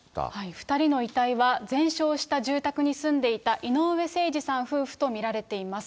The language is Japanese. ２人の遺体は、全焼した住宅に住んでいた井上盛司さん夫婦と見られています。